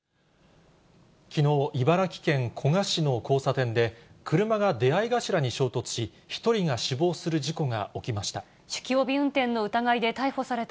きのう、茨城県古河市の交差点で、車が出会い頭に衝突し、１人が死亡する事故が起きました。